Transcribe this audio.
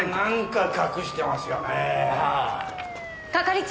係長！